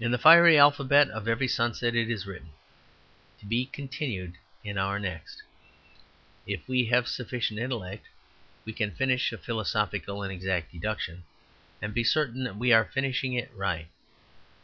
In the fiery alphabet of every sunset is written, "to be continued in our next." If we have sufficient intellect, we can finish a philosophical and exact deduction, and be certain that we are finishing it right.